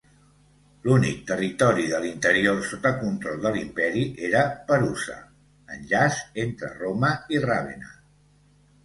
L'únic territori de l'interior sota control de l'Imperi era Perusa, enllaç entre Roma i Ravenna.